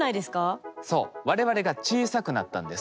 我々が小さくなったんです。